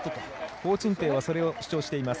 コウ・チンテイはそれを主張しています。